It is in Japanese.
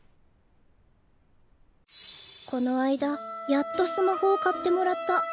この間やっとスマホを買ってもらった。